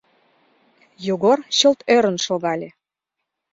Йогор чылт ӧрын шогале.